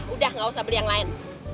udah gak usah beli yang lain